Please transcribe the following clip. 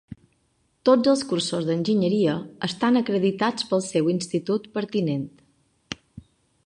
Tots els cursos d'enginyeria estan acreditats pel seu institut pertinent.